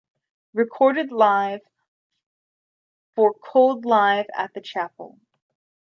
Recorded live for "Cold Live at the Chapel".